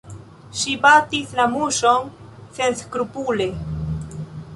Ŝi batis la muŝon senskrupule!